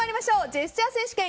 ジェスチャー選手権